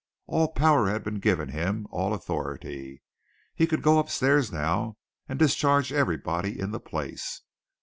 All power had been given him all authority. He could go upstairs now and discharge everybody in the place.